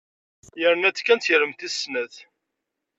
Yerna-tt kan d tiremt tis-snat.